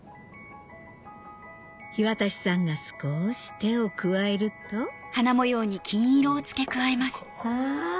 樋渡さんが少し手を加えるとあ！